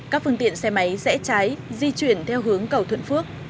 các phương tiện xe máy rẽ trái di chuyển theo hướng cầu thuận phước